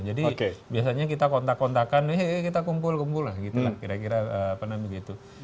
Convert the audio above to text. jadi biasanya kita kontak kontakan kita kumpul kumpul lah gitu lah kira kira pernah begitu